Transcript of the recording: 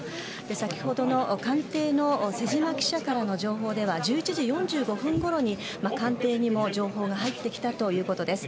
先ほどの官邸の瀬島記者からの情報では１１時４５分ごろに官邸にも情報が入ってきたということです。